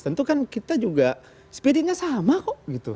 tentu kan kita juga spiritnya sama kok gitu